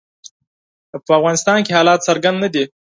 په افغانستان کې حالات څرګند نه دي.